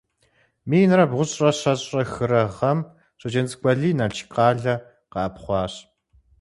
Минрэ бгъущIрэ щэщIрэ хырэ гъэм Щоджэнцӏыкӏу Алий Налшык къалэ къэӏэпхъуащ.